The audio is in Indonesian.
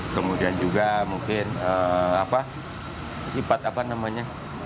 kemudian juga mungkin sifat apa namanya